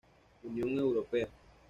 Unión Europea